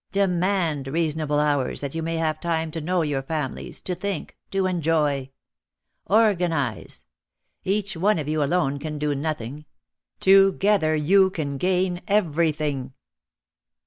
Demand, reasonable hours that you may have time to know your families, to think, to enjoy. Organise ! Each one of you alone can do noth ing. Together you can gain everything."